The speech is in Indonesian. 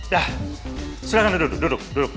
dah silahkan duduk duduk duduk